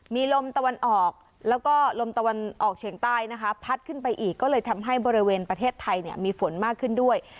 มีลมตะวันออกแล้วก็ลมตะวันออกเฉียงใต้นะคะพัดขึ้นไปอีกก็เลยทำให้บริเวณประเทศไทยเนี่ยมีฝนมากขึ้นด้วย